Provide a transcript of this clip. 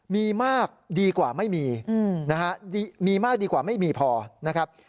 มีมากดีกว่าไม่มีนะฮะมีมากดีกว่าไม่มีพอนะครับ